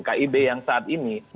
kib yang saat ini